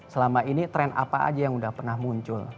selama ini tren apa aja yang udah pernah muncul